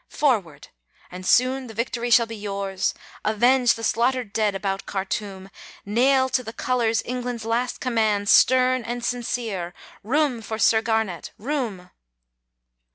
Forward! and soon the victory shall be yours, Avenge the slaughtered dead about Khartoum, Nail to the colours England's last commands, Stern and sincere, "Room for Sir Garnet, room!"